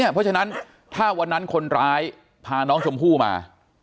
เพราะฉะนั้นถ้าวันนั้นคนร้ายพาน้องชมพู่มา